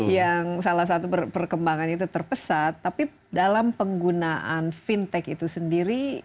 yang salah satu perkembangannya itu terpesat tapi dalam penggunaan fintech itu sendiri